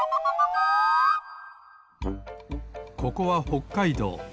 ここはほっかいどう。